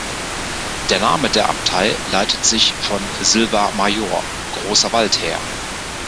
Der Name der Abtei leitet sich von "Silva Major", großer Wald her.